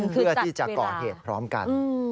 เพื่อที่จะก่อเหตุพร้อมกัน